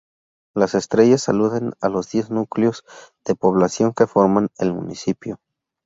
Las estrellas aluden a los diez núcleos de población que forman el municipio.